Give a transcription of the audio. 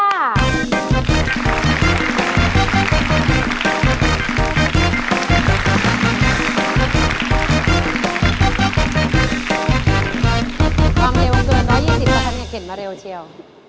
วางเลเวอร์เกลือ๑๒๐บาทฉันอยากเห็นมาเร็วเทียว